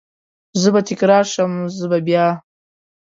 زه به تکرار شم، زه به بیا،